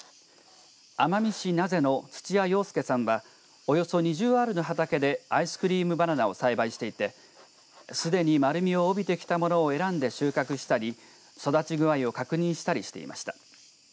奄美市名瀬の土屋陽輔さんはおよそ２０アールの畑でアイスクリームバナナを栽培していてすでに丸みを帯びてきたものを選んで収穫したり育ち具合を確認したりしていました。